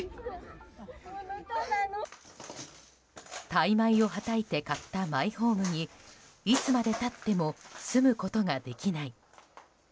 大枚をはたいて買ったマイホームにいつまで経っても住むことができない。